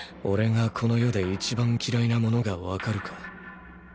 オレがこの世で一番嫌いなものがわかるか？